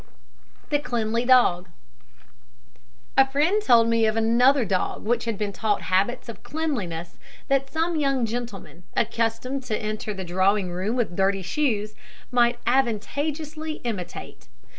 THE CLEANLY DOG. A friend told me of another dog, which had been taught habits of cleanliness that some young gentlemen, accustomed to enter the drawing room with dirty shoes, might advantageously imitate.